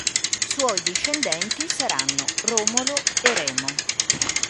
Suoi discendenti saranno Romolo e Remo.